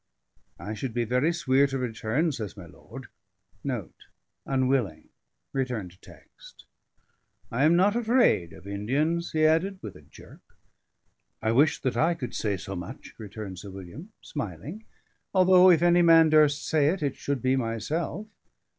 "I would be very sweir to return," says my lord. "I am not afraid of Indians," he added, with a jerk. "I wish that I could say so much," returned Sir William, smiling; "although, if any man durst say it, it should be myself.